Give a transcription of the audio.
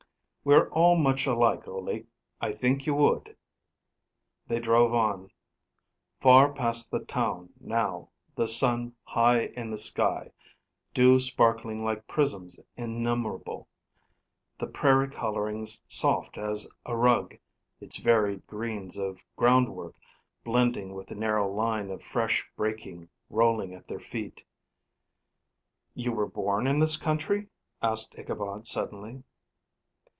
"We're all much alike, Ole. I think you would." They drove on; far past the town, now; the sun high in the sky; dew sparkling like prisms innumerable; the prairie colorings soft as a rug its varied greens of groundwork blending with the narrow line of fresh breaking rolling at their feet. "You were born in this country?" asked Ichabod suddenly.